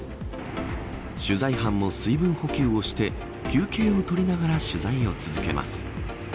取材班も水分補給をして休憩を取りながら取材を続けます。